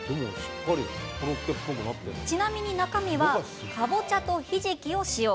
ちなみに中身は、かぼちゃとひじきを使用。